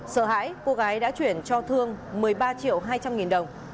sợ hãi cô gái đã chuyển cho thương một mươi ba triệu hai trăm linh nghìn đồng